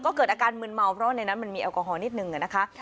ก็เกิดอาการมืนเมาเพราะว่าในนั้นมันมีแอลกอฮอลนิดนึงนะคะ